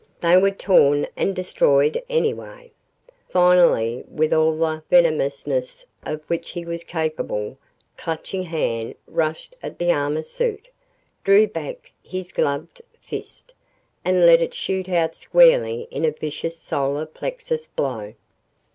They were torn and destroyed, anyway. Finally, with all the venomousness of which he was capable, Clutching Hand rushed at the armor suit, drew back his gloved fist, and let it shoot out squarely in a vicious solar plexus blow.